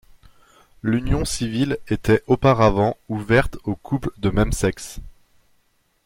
L'union civile était auparavant ouverte aux couples de même sexe.